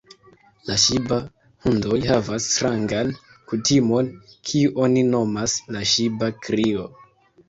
La ŝiba-hundoj havas strangan kutimon, kiu oni nomas la ŝiba-krio.